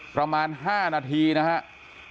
ประมาณ๕นาทีนะครับ